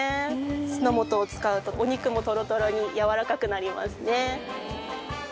酢の素を使うとお肉もトロトロにやわらかくなりますね。